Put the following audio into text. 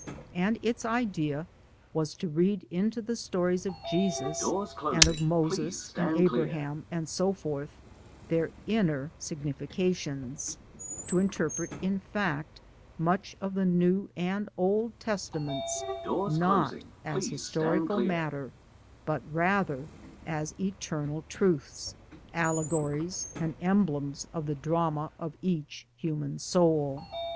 And its idea was to read into the stories of Jesus, and of! Moses and Abraham: and so forth, their inner sig nifications, to interpret in fact much of the New and Old Testaments not as historical matter but rather as eternal truths, allegories and emblems of the drama of each human soul.